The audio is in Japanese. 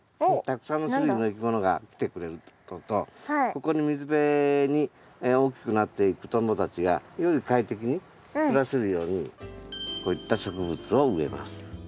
たくさんの種類のいきものが来てくれるってこととここに水辺に大きくなっていくトンボたちがより快適に暮らせるようにこういった植物を植えます。